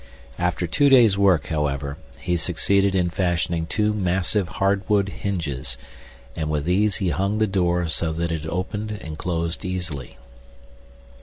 After two days' work, however, he succeeded in fashioning two massive hardwood hinges, and with these he hung the door so that it opened and closed easily.